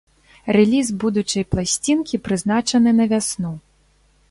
Рэліз будучай пласцінкі прызначаны на вясну.